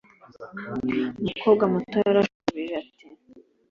umukobwa muto yarashubije ati